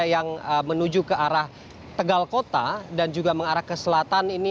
yang menuju ke arah tegal kota dan juga mengarah ke selatan ini